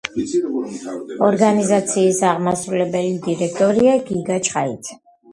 ორგანიზაციის აღმასრულებელი დირექტორია გიგა ჩხაიძე.